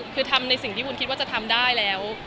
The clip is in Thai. คือทำในสิ่งที่วุ้นคิดว่าจะทำได้แล้ว